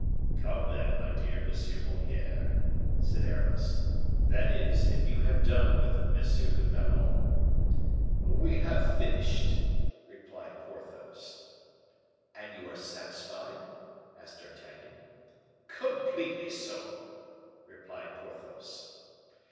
"Come, then, my dear M. Moliere," said Aramis, "that is, if you have done with M. du Vallon." "We have finished," replied Porthos. "And you are satisfied?" asked D'Artagnan. "Completely so," replied Porthos.